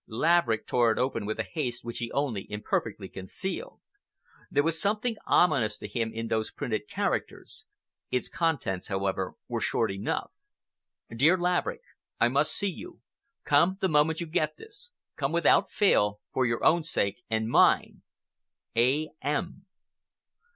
Laverick tore it open with a haste which he only imperfectly concealed. There was something ominous to him in those printed characters. Its contents, however, were short enough. DEAR LAVERICK, I must see you. Come the moment you get this. Come without fail, for your own sake and mine. A. M.